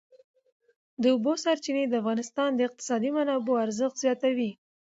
د اوبو سرچینې د افغانستان د اقتصادي منابعو ارزښت زیاتوي.